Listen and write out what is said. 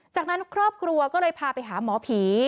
จากนั้นครอบครัวก็เลยพาไปหาหมอผี